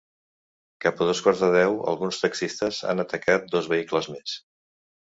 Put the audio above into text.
Cap a dos quarts de deu, alguns taxistes han atacat dos vehicles més.